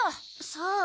そう？